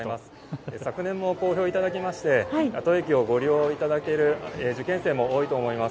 昨年も好評いただきまして駅をご利用いただく受験生も多いと思います。